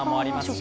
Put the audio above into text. し